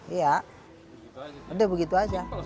iya udah begitu aja